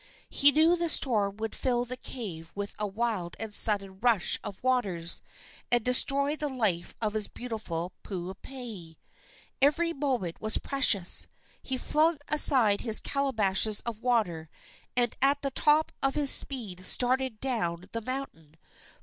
He knew the storm would fill the cave with a wild and sudden rush of waters, and destroy the life of his beautiful Puupehe. Every moment was precious. He flung aside his calabashes of water, and at the top of his speed started down the mountain.